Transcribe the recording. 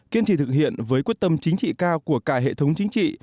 kiên trì thực hiện với quyết tâm chính trị cao của cả hệ thống chính trị